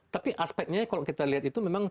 tapi aspeknya kalau kita lihat itu memang